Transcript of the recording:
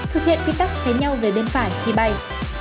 thực hiện quy tắc tránh nhau về bên phải khi bay